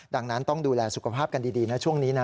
ดังนั้นต้องดูแลสุขภาพกันดีนะช่วงนี้นะ